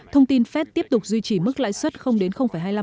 thông tin phép tiếp tục duy trì mức lãi suất đến hai mươi năm